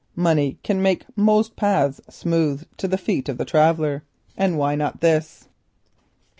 Money can make most paths smooth to the feet of the traveller, and why not this?